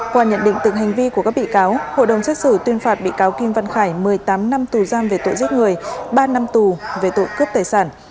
qua nhận định từng hành vi của các bị cáo hội đồng xét xử tuyên phạt bị cáo kim văn khải một mươi tám năm tù giam về tội giết người ba năm tù về tội cướp tài sản